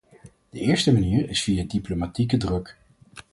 De eerste manier is via diplomatieke druk.